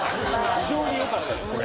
非常に良かったですこれ。